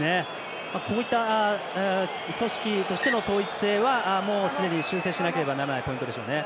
こういった組織としての統一性はもうすでに修正しなければならないポイントでしょうね。